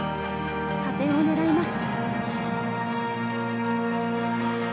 加点を狙います。